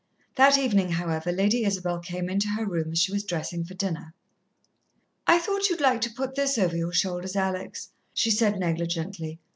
That evening, however, Lady Isabel came into her room as she was dressing for dinner. "I thought you'd like to put this over your shoulders, Alex," she said negligently.